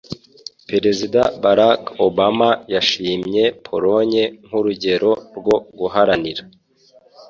Perezida Barack Obama yashimye Polonye nk'urugero rwo guharanira